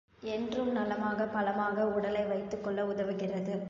என்றும் நலமாக, பலமாக உடலை வைத்துக் கொள்ள உதவுகிறது.